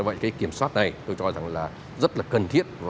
vậy cái kiểm soát này tôi cho rằng là rất là cần thiết